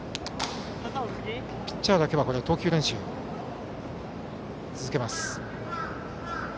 ピッチャーだけは投球練習を続けます。